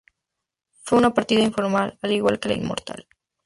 Fue una partida informal, al igual que la Inmortal.